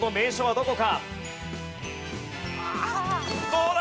どうだ？